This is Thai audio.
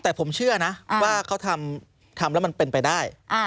แต่ผมเชื่อนะว่าเขาทำแล้วมันเป็นไปได้